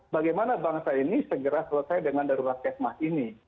bagaimana bangsa ini segera selesai dengan darurat kesmas ini